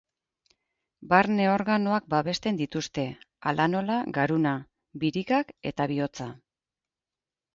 Barne organoak babesten dituzte, hala nola garuna, birikak eta bihotza.